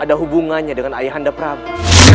ada hubungannya dengan ayah andaprabu